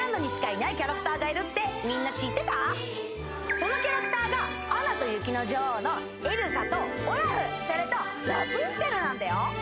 そのキャラクターがアナと雪の女王のエルサとオラフそれとラプンツェルなんだよ